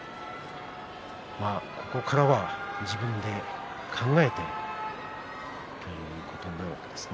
ここからは自分で考えてということのようですね。